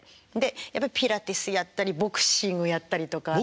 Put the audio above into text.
やっぱピラティスやったりボクシングやったりとか。